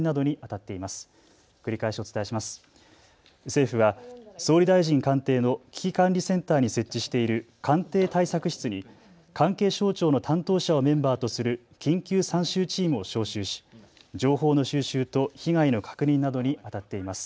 政府は総理大臣官邸の危機管理センターに設置している官邸対策室に関係省庁の担当者をメンバーとする緊急参集チームを召集し情報の収集と被害の確認などにあたっています。